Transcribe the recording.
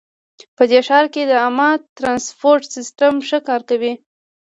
په دې ښار کې د عامه ترانسپورټ سیسټم ښه کار کوي